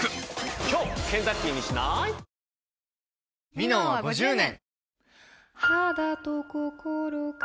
「ミノン」は５０年！